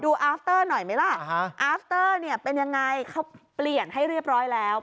ดูหน่อยไหมล่ะอ่าเนี้ยเป็นยังไงเขาเปลี่ยนให้เรียบร้อยแล้ว